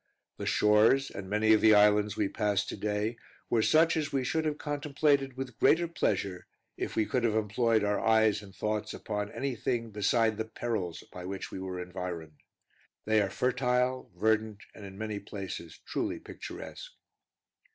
The shores, and many of the islands we passed to day, were such as we should have contemplated with greater pleasure, if we could have employed our eyes and thoughts upon any thing beside the perils by which we were environed. They are fertile, verdant, and in many places truly picturesque.